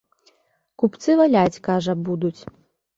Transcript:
Купцы валяць, кажа, будуць.